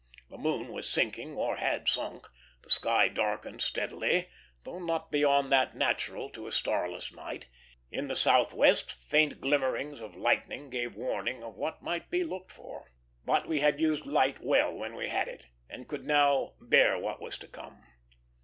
The moon was sinking, or had sunk; the sky darkened steadily, though not beyond that natural to a starless night. In the southwest faint glimmerings of lightning gave warning of what might be looked for; but we had used light well while we had it, and could now bear what was to come.